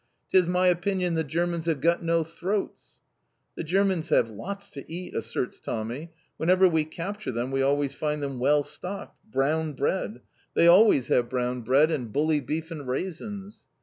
'Tis my opinion the Germans have got no throats!" "The Germans have lots to eat," asserts Tommy. "Whenever we capture them we always find them well stocked. Brown bread. They always have brown bread, and bully beef, and raisins."